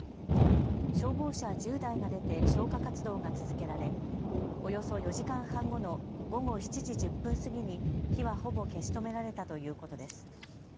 消防車１０台が出て消火活動が続けられ、およそ４時間半後の午後７時１０分過ぎに火はほぼ消し止められたということです。